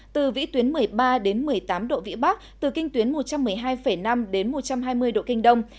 từ vĩ tuyến một mươi ba đến một mươi tám độ vĩ bắc từ kinh tuyến một trăm một mươi hai năm đến một trăm hai mươi độ kinh đông